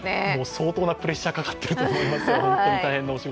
相当なプレッシャーかかってると思いますよ。